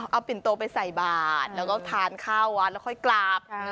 เอาปิ่นโตไปใส่บาทแล้วก็ทานข้าววัดแล้วค่อยกลับ